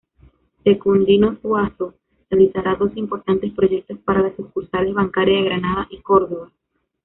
Secundino Zuazo realizará dos importantes proyectos para las sucursales bancarias de Granada y Córdoba.